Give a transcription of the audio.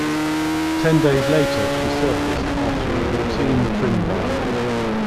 Ten days later, she surfaced after a routine trim dive.